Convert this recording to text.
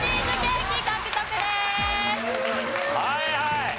はいはい。